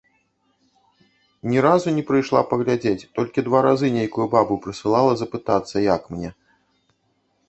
Ні разу не прыйшла паглядзець, толькі два разы нейкую бабу прысылала запытацца, як мне.